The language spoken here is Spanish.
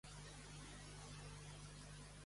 Allí es coeditor de "American Orchid Society Bulletin".